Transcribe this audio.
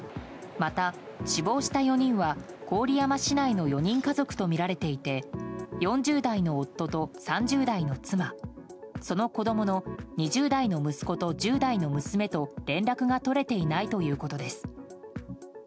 また、死亡した４人は郡山市内の４人家族とみられていて４０代の夫と３０代の妻その子供の２０代の息子と１０代の娘と連絡が取れていないということです。